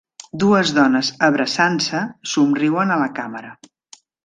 Dues dones abraçant-se somriuen a la càmera